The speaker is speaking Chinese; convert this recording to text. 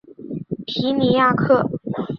皮尼亚克。